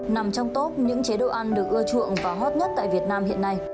nằm trong top những chế độ ăn được ưa chuộng và hot nhất tại việt nam hiện nay